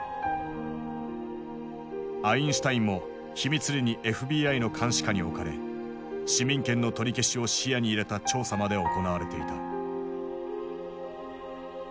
アインシュタインも秘密裏にＦＢＩの監視下に置かれ市民権の取り消しを視野に入れた調査まで行われていた。